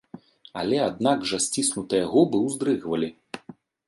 Але аднак жа сціснутыя губы ўздрыгвалі.